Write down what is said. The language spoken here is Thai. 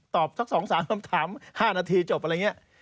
สัก๒๓คำถาม๕นาทีจบอะไรอย่างนี้